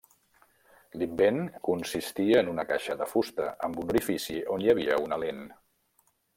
L'invent consistia en una caixa de fusta amb un orifici on hi havia una lent.